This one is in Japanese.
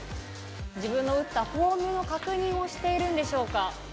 自分の打ったフォームの確認をしているんでしょうか。